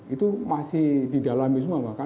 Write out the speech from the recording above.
itu masih didalami semua bahkan